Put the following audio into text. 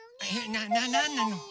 なななんなの？